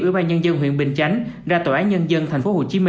ủy ban nhân dân huyện bình chánh ra tòa án nhân dân tp hcm